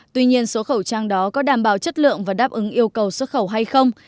tuy nhiên số khẩu trang đó có đảm bảo chất lượng và đáp ứng yêu cầu xuất khẩu hay không